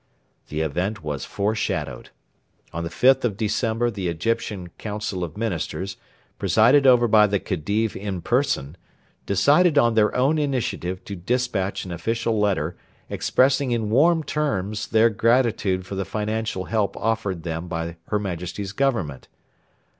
The event was foreshadowed. On the 5th of December the Egyptian Council of Ministers, presided over by the Khedive in person, decided on their own initiative to despatch an official letter expressing in warm terms their gratitude for the financial help offered them by her Majesty's Government.